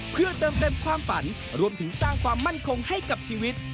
เพื่อเติมเต็มความฝันรวมถึงสร้างความมั่นคงให้กับชีวิต